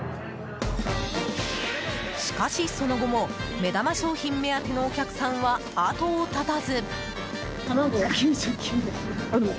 しかし、その後も目玉商品目当てのお客さんは後を絶たず。